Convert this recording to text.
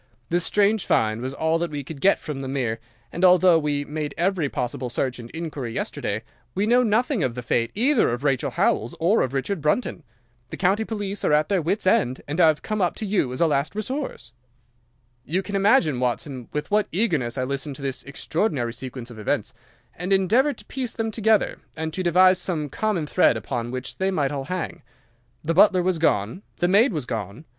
This strange find was all that we could get from the mere, and, although we made every possible search and inquiry yesterday, we know nothing of the fate either of Rachel Howells or of Richard Brunton. The county police are at their wits' end, and I have come up to you as a last resource.' "You can imagine, Watson, with what eagerness I listened to this extraordinary sequence of events, and endeavoured to piece them together, and to devise some common thread upon which they might all hang. The butler was gone. The maid was gone.